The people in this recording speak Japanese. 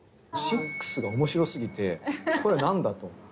「ＳＩＣＫＳ」が面白すぎてこれは何だと。